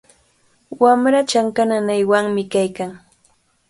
Wamraa chanka nanaywanmi kaykan.